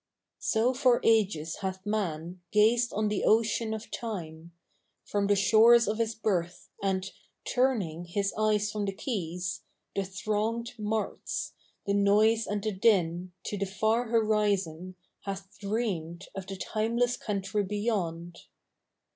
' So for ages hath man Gazed on the ocean of time From the shores of his birth, and, turning His eyes from the quays, the thronged Marts, the noise and the din To the far horizon, hath dreavied Of the timeless country beyond.